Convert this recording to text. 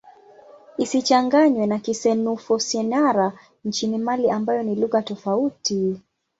Isichanganywe na Kisenoufo-Syenara nchini Mali ambayo ni lugha tofauti.